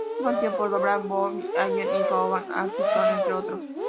Es conocido por doblar a Woody Allen y a Rowan Atkinson, entre otros.